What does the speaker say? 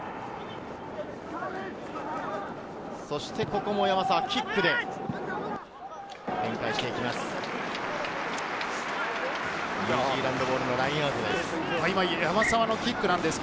ここも山沢、キックで展開していきます。